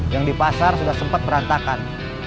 yang di pasar sudah sempat berantakan